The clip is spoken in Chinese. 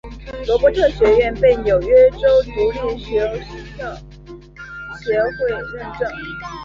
罗伯特学院被纽约州独立学校协会认证。